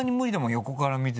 横から見てて。